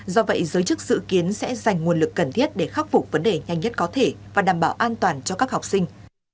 do vậy giới chức dự kiến sẽ dành nguồn lực cần thiết để khắc phục vấn đề nhanh nhất có thể và đảm bảo an toàn cho các học sinh